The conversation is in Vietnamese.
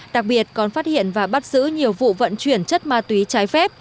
đặc biệt còn phát hiện và bắt giữ nhiều vụ vận chuyển chất ma túy trái phép